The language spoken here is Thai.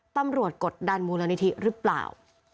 ตำรวจกดดันมูลนิธีรึเปล่า